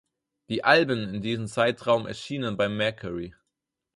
Die Alben in diesem Zeitraum erschienen bei Mercury.